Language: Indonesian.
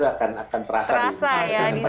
akan terasa di sana